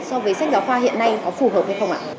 so với sách giáo khoa hiện nay có phù hợp hay không ạ